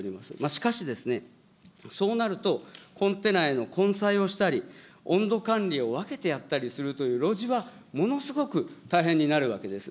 しかし、そうなるとコンテナへの混載をしたり、温度管理を分けてやったりするというろじはものすごく大変になるわけです。